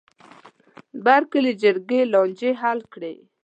بر کلي جرګې لانجې حل کړې.